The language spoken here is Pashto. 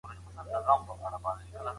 ده د رښتينې راپور ورکولو ملاتړ کاوه.